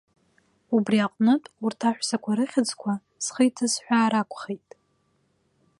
Убри аҟнытә, урҭ аҳәсақәа рыхьӡқәа, схы иҭысҳәаар акәхеит.